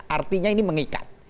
artinya ini mengikat